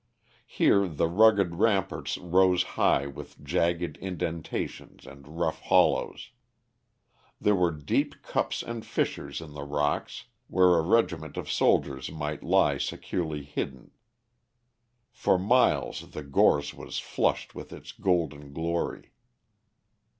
Here the rugged ramparts rose high with jagged indentations and rough hollows. There were deep cups and fissures in the rocks where a regiment of soldiers might lie securely hidden. For miles the gorse was flushed with its golden glory.